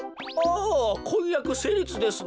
おこんやくせいりつですな。